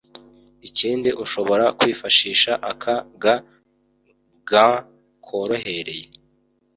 Ikindi ushobora kwifashisha aka ga (gant) korohereye